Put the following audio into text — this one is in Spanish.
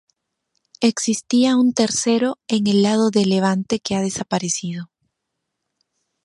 Existía un tercero en el lado de levante que ha desaparecido.